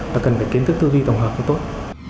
mà cần phải kiến thức tư duy tổng hợp tốt